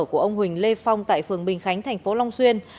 của ông huỳnh lê phong tại phường bình khánh thành phố long xuyên